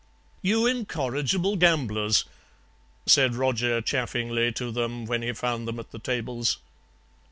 "'You incorrigible gamblers,' said Roger chaffingly to them, when he found them at the tables.